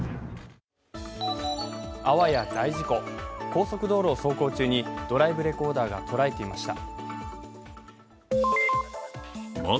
高速道路を走行中にドライブレコーダーが捉えていました。